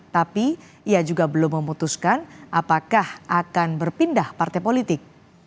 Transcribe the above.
tapi ia juga belum memutuskan apakah akan berpindah partai politik